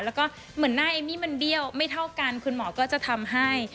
แล้วก็เหมือนหน้าเอมมี่มันเบี้ยวไม่เท่ากันคุณหมอก็จะทำให้